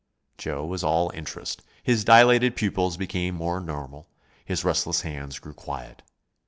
Joe was all interest. His dilated pupils became more normal, his restless hands grew quiet.